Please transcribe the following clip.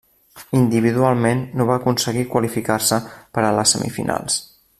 Individualment no va aconseguir qualificar-se per a les semifinals.